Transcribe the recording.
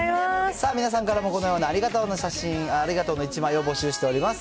さあ、皆さんからもこのようなありがとうの写真、ありがとうの１枚を募集しております。